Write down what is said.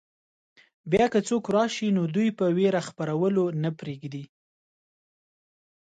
بیا که څوک راشي نو دوی په وېره خپرولو نه پرېږدي.